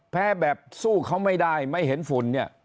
แพ้แบบสู้เขาไม่ได้ไม่เห็นฝุ่น